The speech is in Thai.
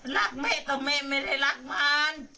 รักแม่ต่อแม่ไม่ได้รักมัน